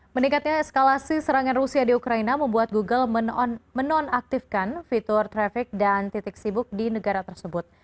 meningkatnya eskalasi serangan rusia di ukraina membuat google menonaktifkan fitur traffic dan titik sibuk di negara tersebut